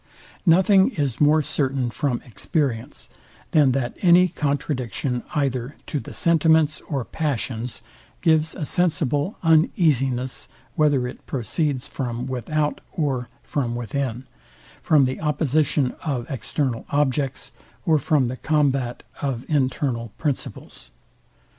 Nothing is more certain from experience, than that any contradiction either to the sentiments or passions gives a sensible uneasiness, whether it proceeds from without or from within; from the opposition of external objects, or from the combat of internal principles.